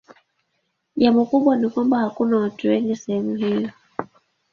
Jambo kubwa ni kwamba hakuna watu wengi sehemu hiyo.